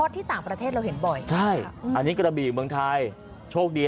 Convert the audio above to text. ที่ต่างประเทศเราเห็นบ่อยใช่อันนี้กระบี่เมืองไทยโชคดี